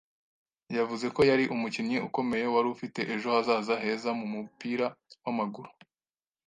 yavuze ko yari "umukinnyi ukomeye wari ufite ejo hazaza heza mu mupira w'amaguru".